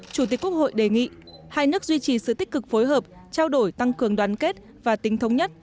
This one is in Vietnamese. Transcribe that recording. chủ tịch quốc hội đề nghị hai nước duy trì sự tích cực phối hợp trao đổi tăng cường đoàn kết và tính thống nhất